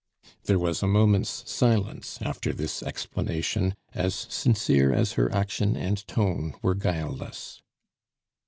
There was a moment's silence after this explanation as sincere as her action and tone were guileless.